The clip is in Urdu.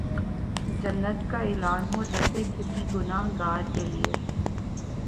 جنت کا اعلان ہو جیسے کسی گناہ گار کیلئے